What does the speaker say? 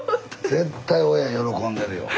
絶対親喜んでるよ。